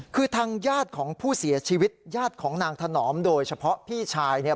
คือทางญาติของผู้เสียชีวิตญาติของนางถนอมโดยเฉพาะพี่ชายเนี่ย